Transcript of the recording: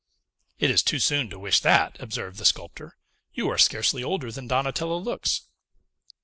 "It is too soon to wish that," observed the sculptor; "you are scarcely older than Donatello looks."